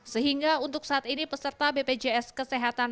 sehingga untuk saat ini peserta bpjs kesehatan